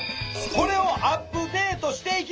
これをアップデートしていきます。